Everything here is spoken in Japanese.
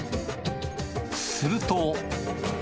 すると。